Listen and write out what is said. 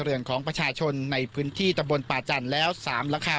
เรือนของประชาชนในพื้นที่ตะบนป่าจันทร์แล้ว๓หลังคา